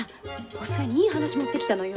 お寿恵にいい話持ってきたのよ。